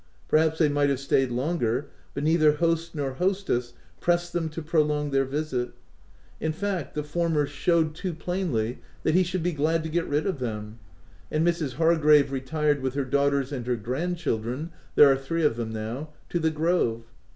Perhaps they might have stayed longer, but neither host nor hostess pressed them to prolong their visit — in fact, the former showed 24 THE TENANT too plainly that he should be glad to get rid of them ;— and Mrs. Hargrave retired with her daughters and her grand children (there are three of them now) to the grove.